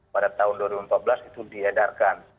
pada tahun dua ribu empat belas itu diedarkan